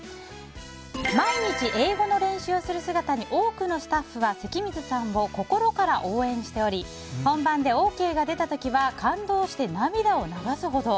毎日、英語の練習をする姿に多くのスタッフは関水さんを心から応援しており本番でＯＫが出た時は感動して涙を流すほど。